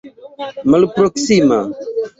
malproksima